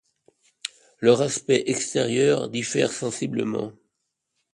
Leur aspect extérieur diffère sensiblement.